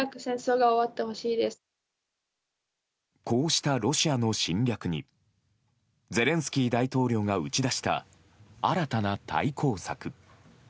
こうしたロシアの侵略にゼレンスキー大統領が打ち出した新たな対抗策。